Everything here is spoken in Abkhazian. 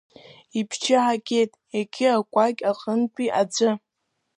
Ибжьы аагеит егьи акәакь аҟынтәи аӡәы.